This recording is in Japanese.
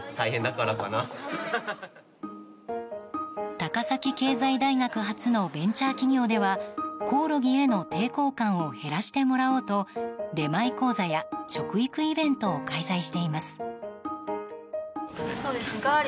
高崎経済大学発のベンチャー企業ではコオロギへの抵抗感を減らしてもらおうと出前講座や食育イベントを開催しています。